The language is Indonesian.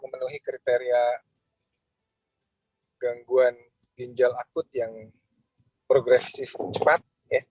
memenuhi kriteria gangguan ginjal akut yang progresif cepat